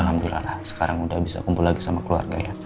alhamdulillah sekarang udah bisa kumpul lagi sama keluarga ya